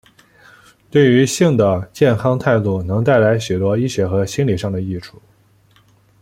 对于性的健康态度能带来许多医学和心里上的益处。